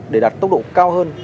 để đạt tốc độ cao hơn